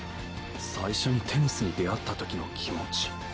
最初にテニスに出会ったときの気持ち。